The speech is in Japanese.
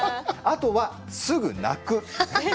あとは、すぐ泣く。